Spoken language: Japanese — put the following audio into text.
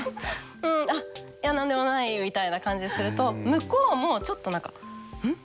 うんいや何でもないよ」みたいな感じにすると向こうもちょっと何か「ん？